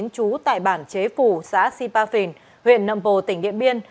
trú tại bản chế phủ xã sipa phìn huyện nậm bồ tỉnh điện biên